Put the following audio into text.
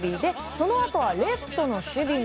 そのあとはレフトの守備に。